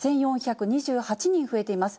１４２８人増えています。